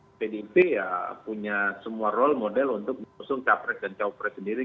karena pdip ya punya semua role model untuk mengusung capres dan caopres sendiri